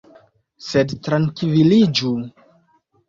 Sed trankviliĝu!